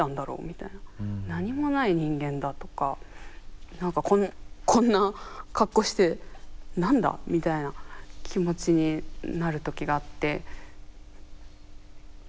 何もない人間だとか何かこんな格好して何だ？みたいな気持ちになる時があって。